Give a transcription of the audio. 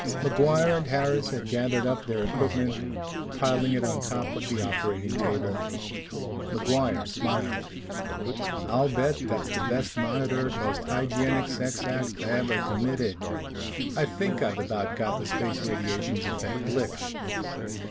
MacGuire and Harris had gathered up their equipment, piling it on top of the operating table. MacGuire smiled. "I'll bet that's the best monitored, most hygienic sex act ever committed. I think I've about got the space radiations effect licked."